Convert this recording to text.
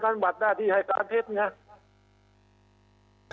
การหวัดหน้าที่เห้การเท็จ